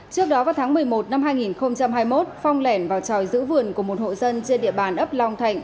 trước đó vào tháng một mươi một năm hai nghìn hai mươi một phong lẻn vào tròi giữ vườn của một hộ dân trên địa bàn ấp long thạnh